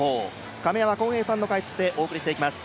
亀山耕平さんの解説でお送りします。